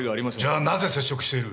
じゃあなぜ接触している？